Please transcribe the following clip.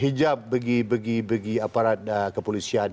hijab bagi bagi aparat kepolisian